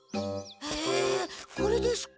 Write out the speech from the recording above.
へえこれですか。